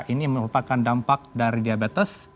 ini merupakan dampak dari diabetes